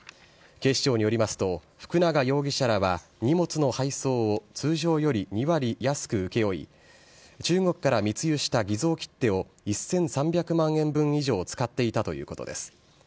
警視庁によりますと、福永容疑者らは荷物の配送を通常より２割安く請け負い、中国から密輸した偽造切手を１３００万円分以上使っていたということです。